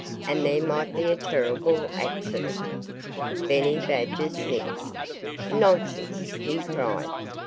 And there might be a terrible accident." Benny Badger sniffed. "Nonsense!" he cried.